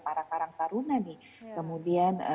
para karang taruna nih kemudian